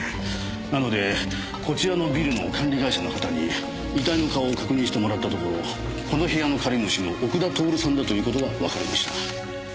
なのでこちらのビルの管理会社の方に遺体の顔を確認してもらったところこの部屋の借り主の奥田徹さんだという事がわかりました。